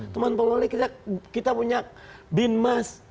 teman teman polri kita punya bin mas